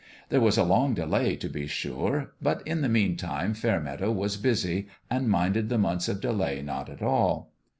There was a long delay, to be sure ; but in the meantime Fairmeadow was busy, and minded the months of delay not at all.